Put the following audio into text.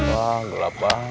bang gelap banget